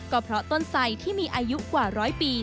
ก็เพราะต้นไสที่มีอายุกว่าร้อยปี